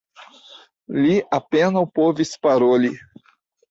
Li apenaŭ povis paroli.